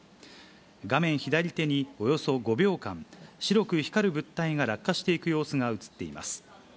画面左手におよそ５秒間、白く光る物体が落下していく様子が写っています。